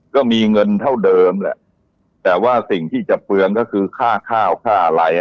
ก็มีเงินเท่าเดิมแหละแต่ว่าสิ่งที่จะเปลืองก็คือค่าข้าวค่าอะไร